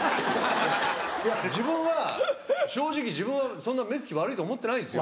いや自分は正直そんな目つき悪いと思ってないんですよ。